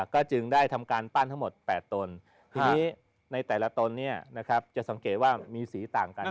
ก็จึงได้ทำการปั้นทั้งหมด๘ตนทีนี้ในแต่ละตนจะสังเกตว่ามีสีต่างกัน